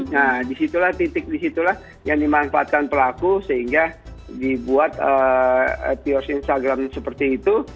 nah di situlah titik di situlah yang dimanfaatkan pelaku sehingga dibuat ad yours instagram seperti itu